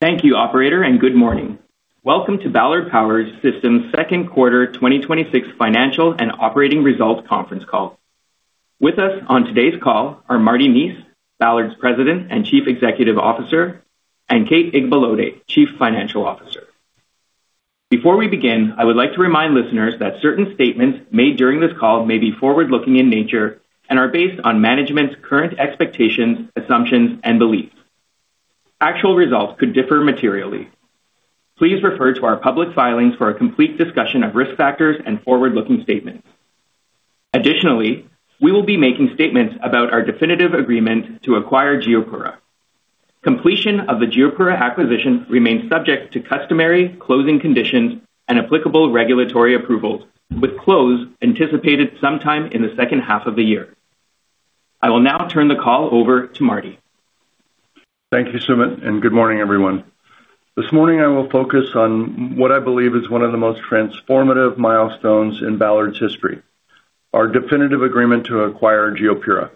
Thank you operator, and good morning. Welcome to Ballard Power Systems' second quarter 2026 financial and operating results conference call. With us on today's call are Marty Neese, Ballard's President and Chief Executive Officer, and Kate Igbalode, Chief Financial Officer. Before we begin, I would like to remind listeners that certain statements made during this call may be forward-looking in nature and are based on management's current expectations, assumptions, and beliefs. Actual results could differ materially. Please refer to our public filings for a complete discussion of risk factors and forward-looking statements. Additionally, we will be making statements about our definitive agreement to acquire GeoPura. Completion of the GeoPura acquisition remains subject to customary closing conditions and applicable regulatory approvals, with close anticipated sometime in the second half of the year. I will now turn the call over to Marty. Thank you, Sumit, and good morning, everyone. This morning, I will focus on what I believe is one of the most transformative milestones in Ballard's history, our definitive agreement to acquire GeoPura.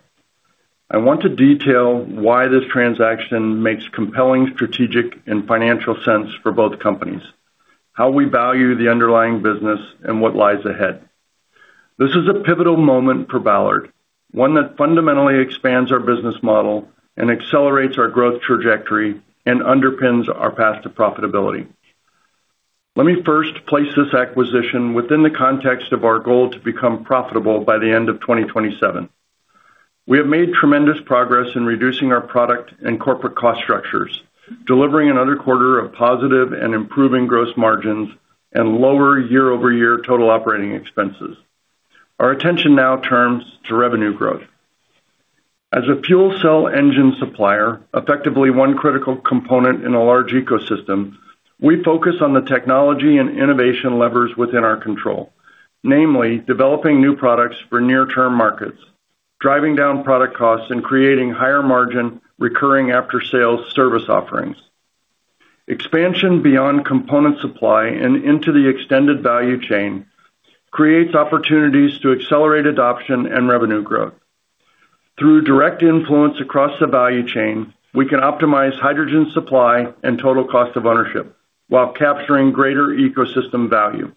I want to detail why this transaction makes compelling strategic and financial sense for both companies, how we value the underlying business, and what lies ahead. This is a pivotal moment for Ballard, one that fundamentally expands our business model and accelerates our growth trajectory and underpins our path to profitability. Let me first place this acquisition within the context of our goal to become profitable by the end of 2027. We have made tremendous progress in reducing our product and corporate cost structures, delivering another quarter of positive and improving gross margins and lower year-over-year total operating expenses. Our attention now turns to revenue growth. As a fuel cell engine supplier, effectively one critical component in a large ecosystem, we focus on the technology and innovation levers within our control. Namely, developing new products for near-term markets, driving down product costs, and creating higher-margin recurring after-sales service offerings. Expansion beyond component supply and into the extended value chain creates opportunities to accelerate adoption and revenue growth. Through direct influence across the value chain, we can optimize hydrogen supply and total cost of ownership while capturing greater ecosystem value.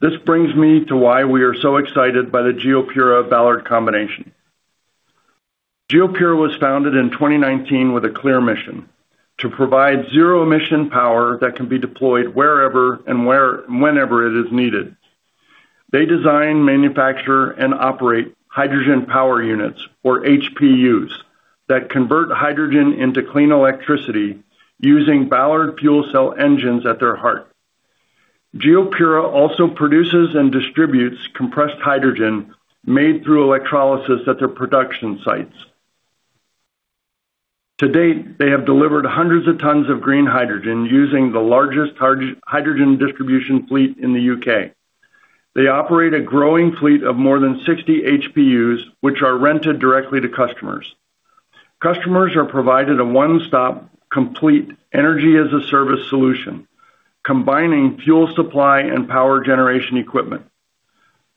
This brings me to why we are so excited by the GeoPura-Ballard combination. GeoPura was founded in 2019 with a clear mission, to provide zero-emission power that can be deployed wherever and whenever it is needed. They design, manufacture, and operate hydrogen power units, or HPUs, that convert hydrogen into clean electricity using Ballard fuel cell engines at their heart. GeoPura also produces and distributes compressed hydrogen made through electrolysis at their production sites. To date, they have delivered hundreds of tons of green hydrogen using the largest hydrogen distribution fleet in the U.K. They operate a growing fleet of more than 60 HPUs, which are rented directly to customers. Customers are provided a one-stop complete energy-as-a-service solution, combining fuel supply and power generation equipment.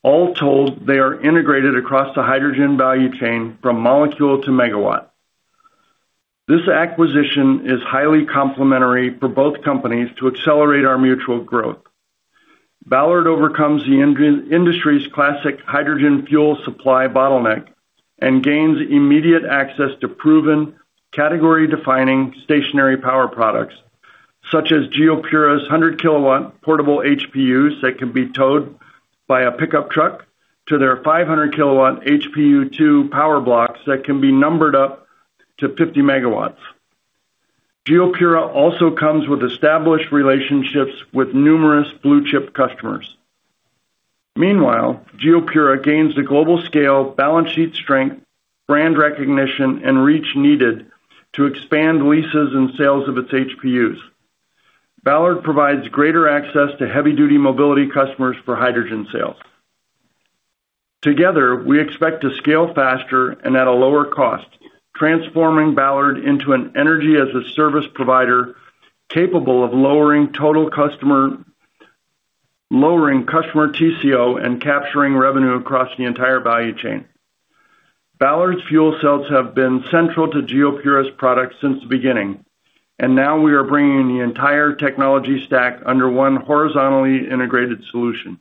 All told, they are integrated across the hydrogen value chain from molecule to megawatt. This acquisition is highly complementary for both companies to accelerate our mutual growth. Ballard overcomes the industry's classic hydrogen fuel supply bottleneck and gains immediate access to proven category-defining stationary power products, such as GeoPura's 100 kW portable HPUs that can be towed by a pickup truck to their 500 kW HPU2 power blocks that can be numbered up to 50 MW. GeoPura also comes with established relationships with numerous blue-chip customers. Meanwhile, GeoPura gains the global scale, balance sheet strength, brand recognition, and reach needed to expand leases and sales of its HPUs. Ballard provides greater access to heavy-duty mobility customers for hydrogen sales. Together, we expect to scale faster and at a lower cost, transforming Ballard into an energy-as-a-service provider capable of lowering customer TCO and capturing revenue across the entire value chain. Ballard's fuel cells have been central to GeoPura's products since the beginning, and now we are bringing the entire technology stack under one horizontally integrated solution.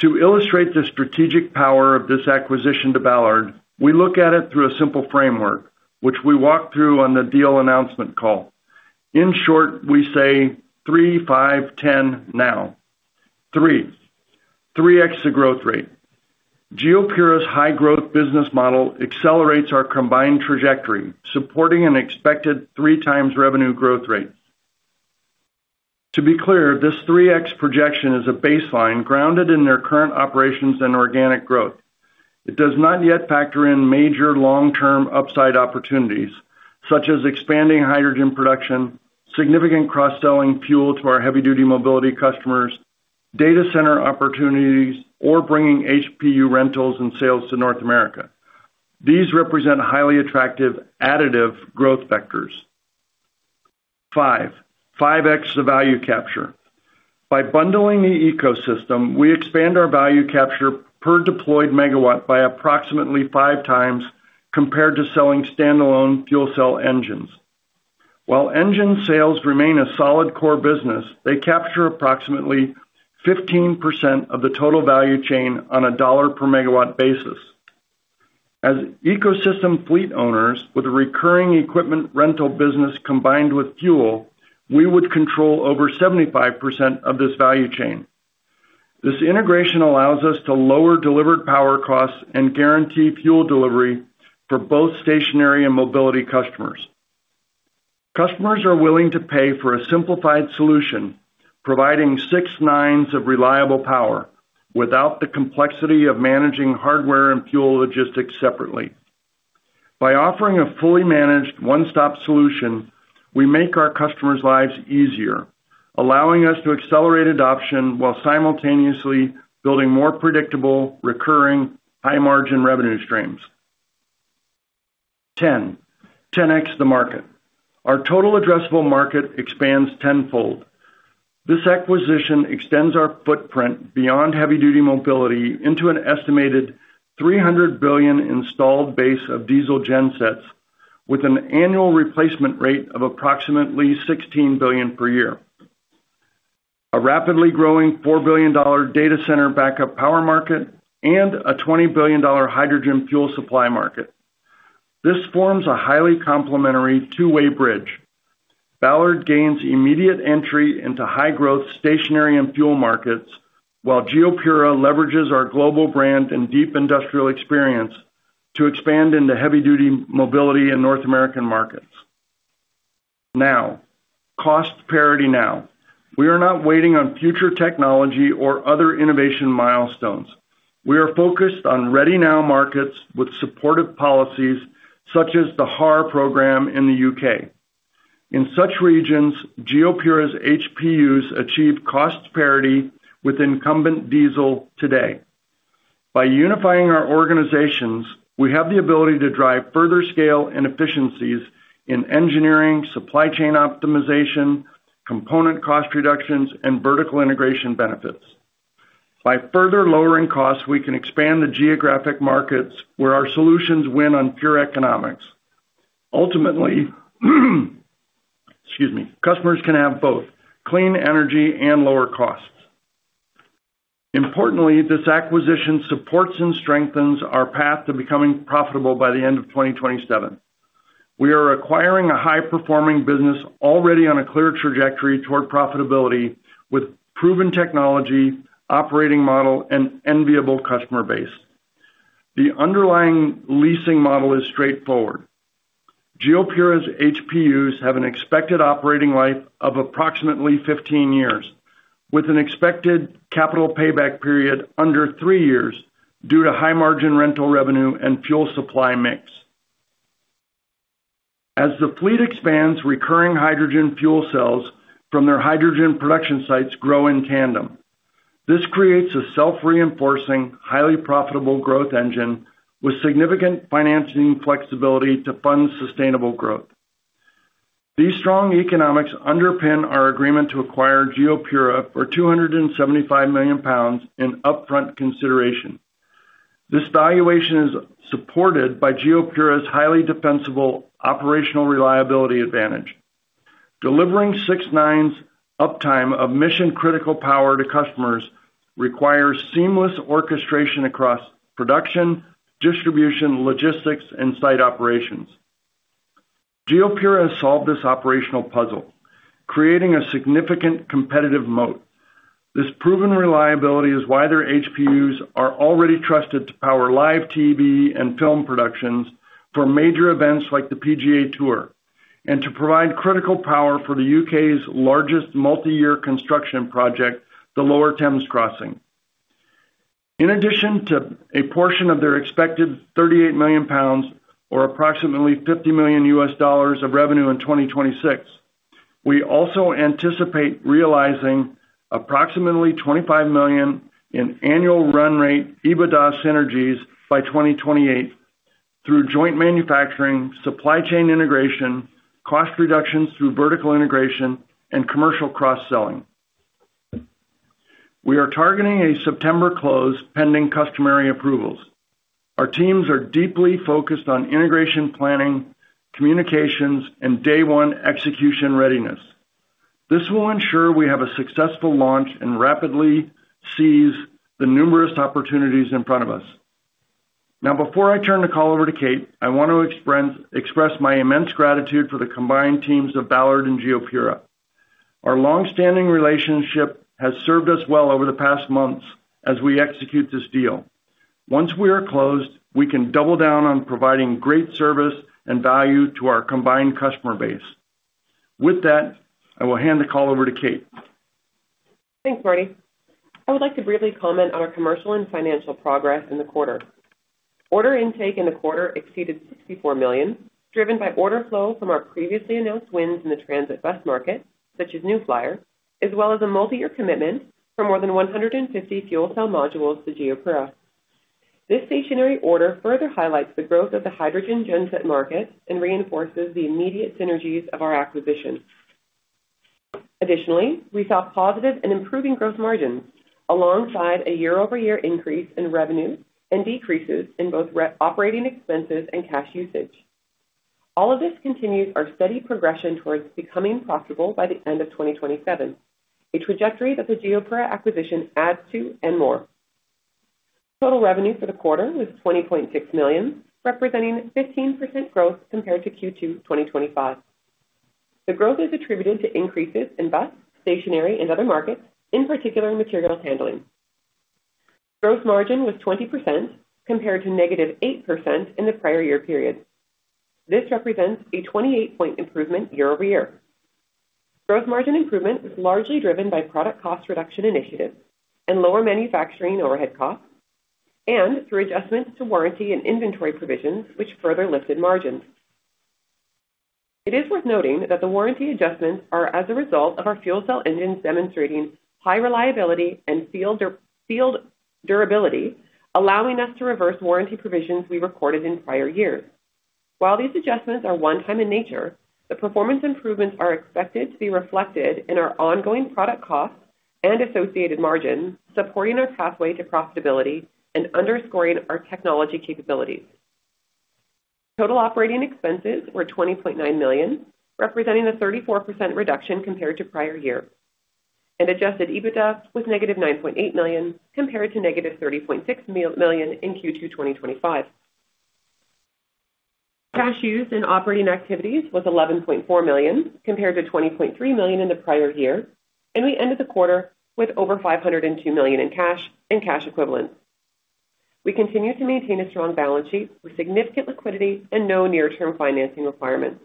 To illustrate the strategic power of this acquisition to Ballard, we look at it through a simple framework, which we walked through on the deal announcement call. In short, we say Three, Five, 10 now. Three, 3x the growth rate. GeoPura's high-growth business model accelerates our combined trajectory, supporting an expected 3x revenue growth rate. To be clear, this 3x projection is a baseline grounded in their current operations and organic growth. It does not yet factor in major long-term upside opportunities, such as expanding hydrogen production, significant cross-selling fuel to our heavy-duty mobility customers, data center opportunities, or bringing HPU rentals and sales to North America. These represent highly attractive additive growth vectors. Five, 5x the value capture. By bundling the ecosystem, we expand our value capture per deployed megawatt by approximately 5x compared to selling standalone fuel cell engines. While engine sales remain a solid core business, they capture approximately 15% of the total value chain on a dollar per megawatt basis. As ecosystem fleet owners with a recurring equipment rental business combined with fuel, we would control over 75% of this value chain. This integration allows us to lower delivered power costs and guarantee fuel delivery for both stationary and mobility customers. Customers are willing to pay for a simplified solution, providing six nines of reliable power without the complexity of managing hardware and fuel logistics separately. By offering a fully managed one-stop solution, we make our customers' lives easier, allowing us to accelerate adoption while simultaneously building more predictable, recurring, high-margin revenue streams. 10, 10x the market. Our total addressable market expands tenfold. This acquisition extends our footprint beyond heavy-duty mobility into an estimated $300 billion installed base of diesel gensets with an annual replacement rate of approximately $16 billion per year, a rapidly growing $4 billion data center backup power market, and a $20 billion hydrogen fuel supply market. This forms a highly complementary two-way bridge. Ballard gains immediate entry into high-growth stationary and fuel markets, while GeoPura leverages our global brand and deep industrial experience to expand into heavy-duty mobility in North American markets. Now, cost parity now. We are not waiting on future technology or other innovation milestones. We are focused on ready now markets with supportive policies such as the HAR program in the U.K. In such regions, GeoPura's HPUs achieve cost parity with incumbent diesel today. By unifying our organizations, we have the ability to drive further scale and efficiencies in engineering, supply chain optimization, component cost reductions, and vertical integration benefits. By further lowering costs, we can expand the geographic markets where our solutions win on pure economics. Ultimately, excuse me. Customers can have both clean energy and lower costs. Importantly, this acquisition supports and strengthens our path to becoming profitable by the end of 2027. We are acquiring a high-performing business already on a clear trajectory toward profitability with proven technology, operating model, and enviable customer base. The underlying leasing model is straightforward. GeoPura's HPUs have an expected operating life of approximately 15 years with an expected capital payback period under three years due to high-margin rental revenue and fuel supply mix. As the fleet expands, recurring hydrogen fuel cells from their hydrogen production sites grow in tandem. This creates a self-reinforcing, highly profitable growth engine with significant financing flexibility to fund sustainable growth. These strong economics underpin our agreement to acquire GeoPura for 275 million pounds in upfront consideration. This valuation is supported by GeoPura's highly defensible operational reliability advantage. Delivering six nines uptime of mission-critical power to customers requires seamless orchestration across production, distribution, logistics, and site operations. GeoPura has solved this operational puzzle, creating a significant competitive moat. This proven reliability is why their HPUs are already trusted to power live TV and film productions for major events like the PGA Tour, and to provide critical power for the U.K.'s largest multi-year construction project, the Lower Thames Crossing. In addition to a portion of their expected 38 million pounds, or approximately $50 million of revenue in 2026, we also anticipate realizing approximately $25 million in annual run rate EBITDA synergies by 2028 through joint manufacturing, supply chain integration, cost reductions through vertical integration, and commercial cross-selling. We are targeting a September close, pending customary approvals. Our teams are deeply focused on integration planning, communications, and day one execution readiness. This will ensure we have a successful launch and rapidly seize the numerous opportunities in front of us. Before I turn the call over to Kate, I want to express my immense gratitude for the combined teams of Ballard and GeoPura. Our long-standing relationship has served us well over the past months as we execute this deal. Once we are closed, we can double down on providing great service and value to our combined customer base. With that, I will hand the call over to Kate. Thanks, Marty. I would like to briefly comment on our commercial and financial progress in the quarter. Order intake in the quarter exceeded $64 million, driven by order flow from our previously announced wins in the transit bus market, such as New Flyer, as well as a multi-year commitment for more than 150 fuel cell modules to GeoPura. This stationary order further highlights the growth of the hydrogen genset market and reinforces the immediate synergies of our acquisition. Additionally, we saw positive and improving growth margins alongside a year-over-year increase in revenue and decreases in both operating expenses and cash usage. All of this continues our steady progression towards becoming profitable by the end of 2027, a trajectory that the GeoPura acquisition adds to and more. Total revenue for the quarter was $20.6 million, representing 15% growth compared to Q2 2025. The growth is attributed to increases in bus, stationary, and other markets, in particular materials handling. Gross margin was 20% compared to -8% in the prior year period. This represents a 28-point improvement year-over-year. Gross margin improvement was largely driven by product cost reduction initiatives and lower manufacturing overhead costs, and through adjustments to warranty and inventory provisions, which further lifted margins. It is worth noting that the warranty adjustments are as a result of our fuel cell engines demonstrating high reliability and field durability, allowing us to reverse warranty provisions we recorded in prior years. While these adjustments are one-time in nature, the performance improvements are expected to be reflected in our ongoing product costs and associated margins, supporting our pathway to profitability and underscoring our technology capabilities. Total operating expenses were $20.9 million, representing a 34% reduction compared to prior year, and adjusted EBITDA was -$9.8 million compared to -$30.6 million in Q2 2025. Cash used in operating activities was $11.4 million, compared to $20.3 million in the prior year, and we ended the quarter with over $502 million in cash and cash equivalents. We continue to maintain a strong balance sheet with significant liquidity and no near-term financing requirements.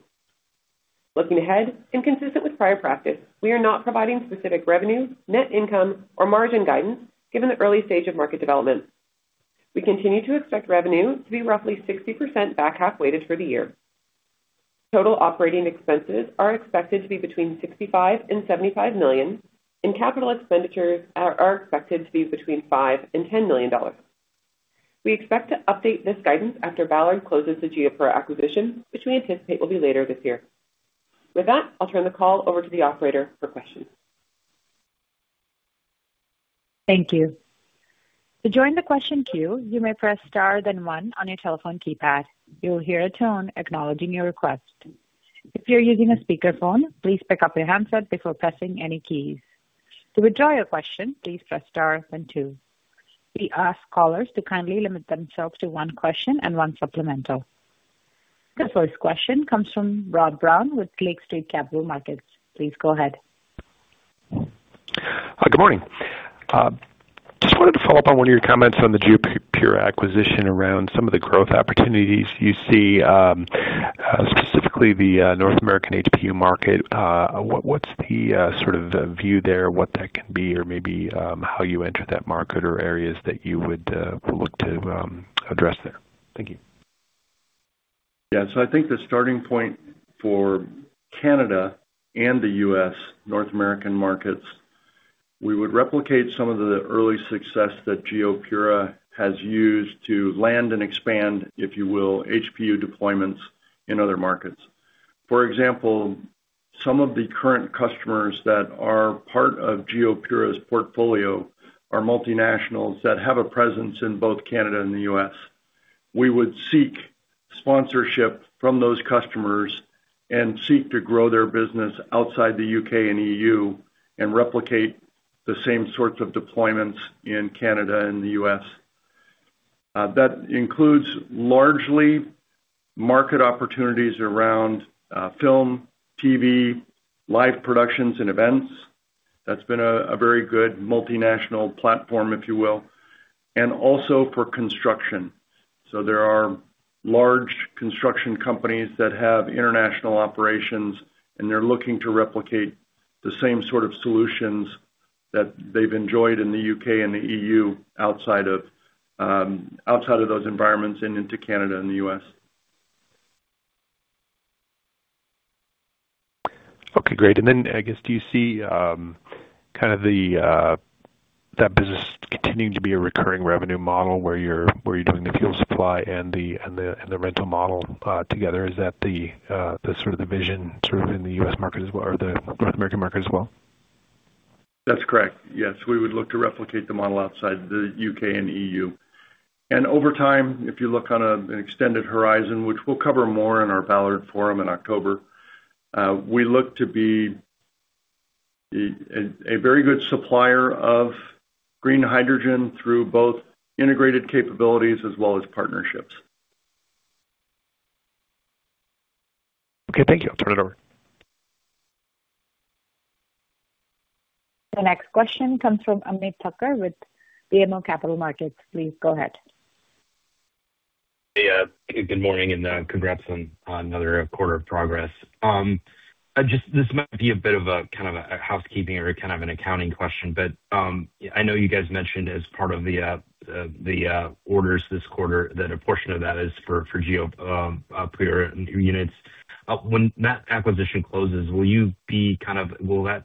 Looking ahead, consistent with prior practice, we are not providing specific revenue, net income or margin guidance, given the early stage of market development. We continue to expect revenue to be roughly 60% back-half weighted for the year. Total operating expenses are expected to be between $65 million and $75 million, and capital expenditures are expected to be between $5 million and $10 million. We expect to update this guidance after Ballard closes the GeoPura acquisition, which we anticipate will be later this year. With that, I'll turn the call over to the operator for questions. Thank you. To join the question queue, you may press star then one on your telephone keypad. You will hear a tone acknowledging your request. If you're using a speakerphone, please pick up your handset before pressing any keys. To withdraw your question, please press star then two. We ask callers to kindly limit themselves to one question and one supplemental. The first question comes from Rob Brown with Lake Street Capital Markets. Please go ahead. Good morning. Just wanted to follow up on one of your comments on the GeoPura acquisition around some of the growth opportunities you see, specifically the North American HPU market. What's the view there, what that can be or maybe how you enter that market or areas that you would look to address there? Thank you. Yeah. I think the starting point for Canada and the U.S., North American markets, we would replicate some of the early success that GeoPura has used to land and expand, if you will, HPU deployments in other markets. For example, some of the current customers that are part of GeoPura's portfolio are multinationals that have a presence in both Canada and the U.S. We would seek sponsorship from those customers and seek to grow their business outside the U.K. and EU and replicate the same sorts of deployments in Canada and the U.S. That includes largely market opportunities around film, TV, live productions, and events. That's been a very good multinational platform, if you will, and also for construction. There are large construction companies that have international operations, and they're looking to replicate the same sort of solutions that they've enjoyed in the U.K. and the EU, outside of those environments and into Canada and the U.S. Okay, great. I guess, do you see that business continuing to be a recurring revenue model where you're doing the fuel supply and the rental model together? Is that the vision in the U.S. market as well, or the North American market as well? That's correct. Yes, we would look to replicate the model outside the U.K. and EU. Over time, if you look on an extended horizon, which we'll cover more in our Ballard Forum in October, we look to be a very good supplier of green hydrogen through both integrated capabilities as well as partnerships. Okay, thank you. I'll turn it over. The next question comes from Ameet Thakkar with BMO Capital Markets. Please go ahead. Hey, good morning. Congrats on another quarter of progress. This might be a bit of a housekeeping or an accounting question, I know you guys mentioned as part of the orders this quarter that a portion of that is for GeoPura units. When that acquisition closes, will that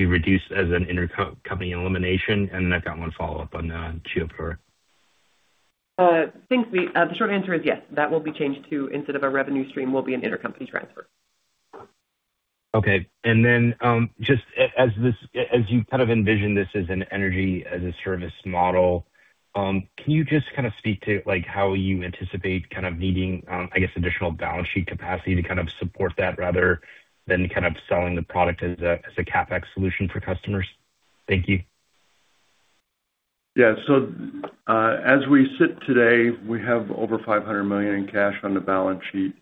be reduced as an intercompany elimination? I've got one follow-up on GeoPura. Thanks. The short answer is yes, that will be changed to instead of a revenue stream, will be an intercompany transfer. Okay. Just as you envision this as an energy-as-a-service model, can you just speak to how you anticipate needing, I guess, additional balance sheet capacity to support that rather than selling the product as a CapEx solution for customers? Thank you. Yeah. As we sit today, we have over $500 million in cash on the balance sheet.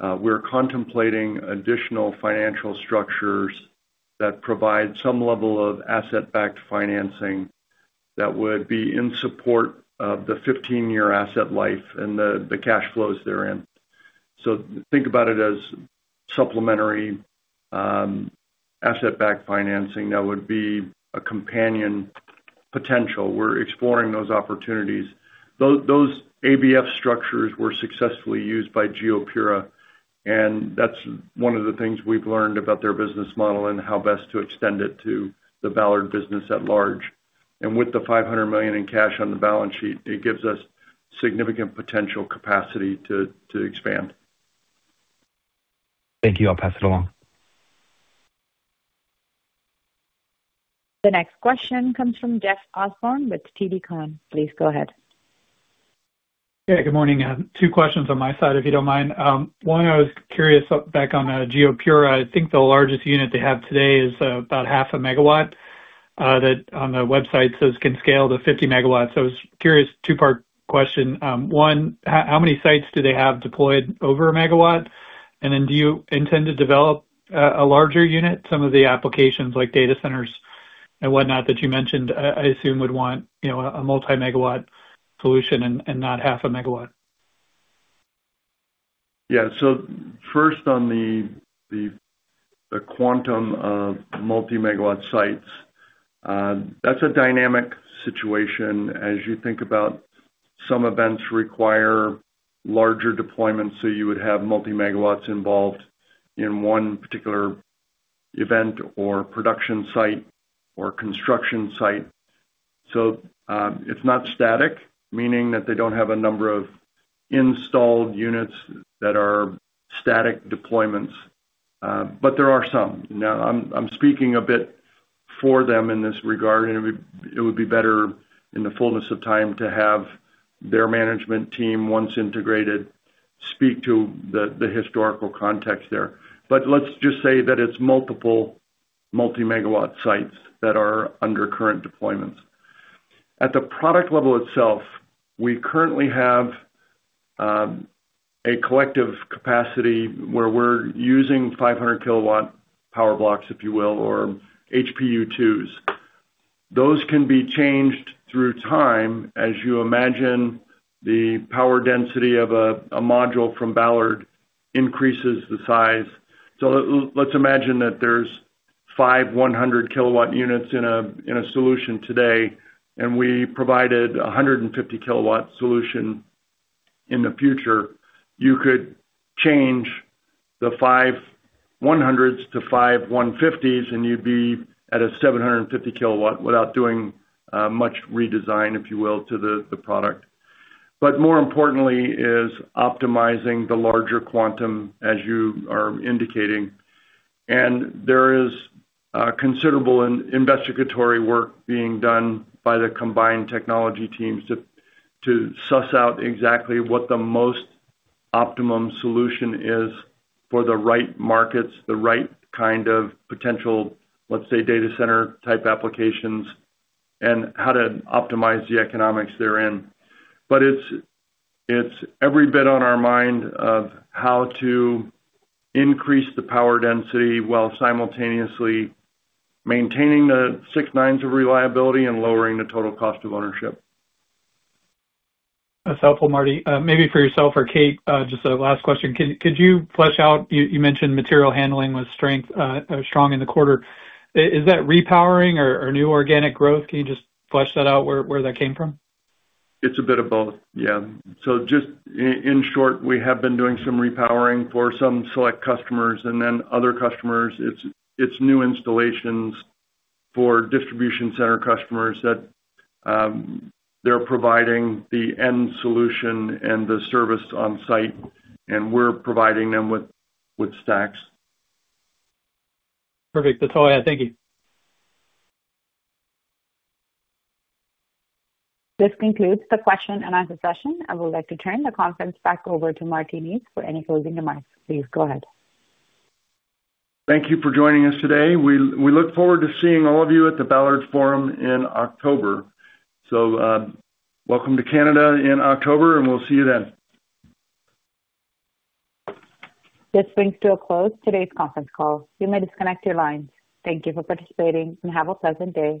We're contemplating additional financial structures that provide some level of asset-backed financing that would be in support of the 15-year asset life and the cash flows therein. Think about it as supplementary asset-backed financing that would be a companion potential. We're exploring those opportunities. Those ABF structures were successfully used by GeoPura, and that's one of the things we've learned about their business model and how best to extend it to the Ballard business at large. With the $500 million in cash on the balance sheet, it gives us significant potential capacity to expand. Thank you. I'll pass it along. The next question comes from Jeff Osborne with TD Cowen. Please go ahead. Yeah, good morning. Two questions on my side, if you don't mind. One, I was curious, back on GeoPura, I think the largest unit they have today is about half a megawatt. On the website, it says it can scale to 50 MW. I was curious, two-part question. One, how many sites do they have deployed over a megawatt? Then do you intend to develop a larger unit? Some of the applications like data centers and whatnot that you mentioned, I assume would want a multi-megawatt solution and not half a megawatt. Yeah. First on the quantum of multi-megawatt sites, that's a dynamic situation as you think about some events require larger deployments, you would have multi-megawatts involved in one particular event or production site or construction site. It's not static, meaning that they don't have a number of installed units that are static deployments. There are some. I'm speaking a bit for them in this regard, and it would be better in the fullness of time to have their management team, once integrated, speak to the historical context there. Let's just say that it's multiple multi-megawatt sites that are under current deployments. At the product level itself, we currently have a collective capacity where we're using 500 kW power blocks, if you will, or HPU2s. Those can be changed through time as you imagine the power density of a module from Ballard increases the size. Let's imagine that there's five 100 kW units in a solution today, we provided 150 kW solution in the future. You could change the five 100 kW to five 150 kW and you'd be at a 750 kW without doing much redesign, if you will, to the product. More importantly is optimizing the larger quantum as you are indicating. There is considerable investigatory work being done by the combined technology teams to suss out exactly what the most optimum solution is for the right markets, the right kind of potential, let's say, data center-type applications and how to optimize the economics therein. It's every bit on our mind of how to increase the power density while simultaneously maintaining the six nines of reliability and lowering the total cost of ownership. That's helpful, Marty. Maybe for yourself or Kate, just a last question. Could you flesh out, you mentioned material handling was strong in the quarter. Is that repowering or new organic growth? Can you just flesh that out where that came from? It's a bit of both, yeah. Just in short, we have been doing some repowering for some select customers and then other customers, it's new installations for distribution center customers that they're providing the end solution and the service on-site, and we're providing them with stacks. Perfect. That's all I had. Thank you. This concludes the question and answer session. I would like to turn the conference back over to Marty Neese for any closing remarks. Please go ahead. Thank you for joining us today. We look forward to seeing all of you at the Ballard Forum in October. Welcome to Canada in October, and we'll see you then. This brings to a close today's conference call. You may disconnect your lines. Thank you for participating, and have a pleasant day.